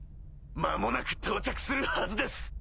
間もなく到着するはずです。